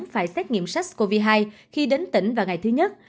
phải xét nghiệm sars cov hai khi đến tỉnh vào ngày thứ nhất